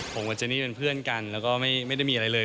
ผมกับเจนี่เป็นเพื่อนกันแล้วก็ไม่ได้มีอะไรเลย